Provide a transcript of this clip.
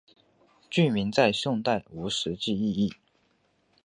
郡名在宋代无实际意义。